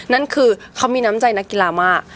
นั่นคือเขามีน้ำใจนักกีฬามาก